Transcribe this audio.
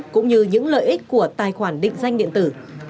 cũng như những lợi ích của tài khoản định danh điện tử